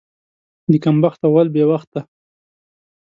د کم بخته غول بې وخته.